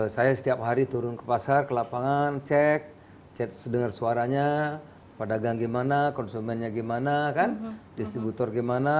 saya setiap hari turun ke pasar ke lapangan cek cek dengar suaranya pedagang gimana konsumennya gimana kan distributor gimana